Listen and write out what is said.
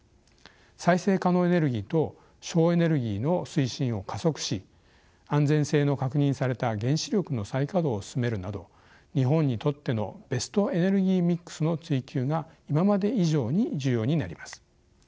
再生可能エネルギーと省エネルギーの推進を加速し安全性の確認された原子力の再稼働を進めるなど日本にとってのベストエネルギーミックスの追求が今まで以上に重要になります。